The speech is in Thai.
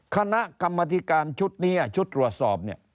คณะกรรมนาฬิการชุดรัวสอบ